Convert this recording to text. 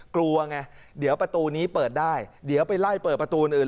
กลัวไงเดี๋ยวประตูนี้เปิดได้เดี๋ยวไปไล่เปิดประตูอื่น